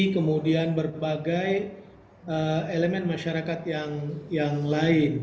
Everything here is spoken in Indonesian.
kemudian berbagai elemen masyarakat yang lain